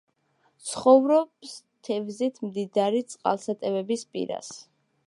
ცხოვრობს თევზით მდიდარი წყალსატევების პირას.